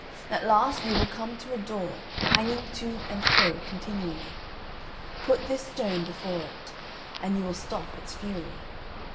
At last you will come to a door, banging to and fro continually; put this stone before it, and you will stop its fury.